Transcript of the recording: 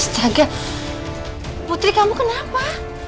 astaga putri kamu kenapa